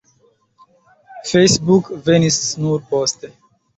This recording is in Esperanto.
Facebook venis nur poste.